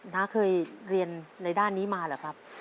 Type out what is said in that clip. น้าเคยเรียนในด้านนี้มาเหรอครับ